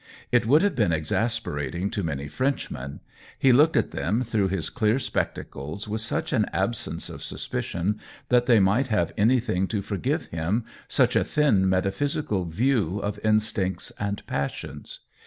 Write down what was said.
It would have been exasperating to many Frenchmen ; he looked at them through his clear spectatcles with such an absence of sus picion that they might have anything to for give him, such a thin metaphysical view of instincts and passions.